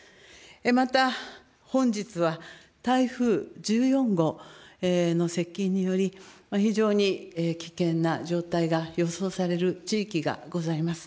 また本日は、台風１４号の接近により、非常に危険な状態が予想される地域がございます。